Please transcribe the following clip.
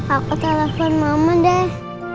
aku telepon mama deh